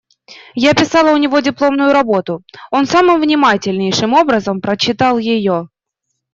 Я писала у него дипломную работу; он самым внимательнейшим образом прочитал ее.